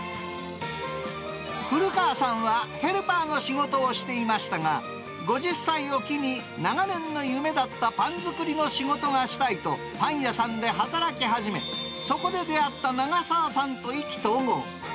古川さんはヘルパーの仕事をしていましたが、５０歳を機に、長年の夢だったパン作りの仕事がしたいと、パン屋さんで働き始め、そこで出会った永澤さんと意気投合。